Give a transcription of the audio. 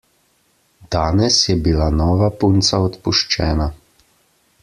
Danes je bila nova punca odpuščena.